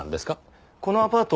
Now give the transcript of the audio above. このアパート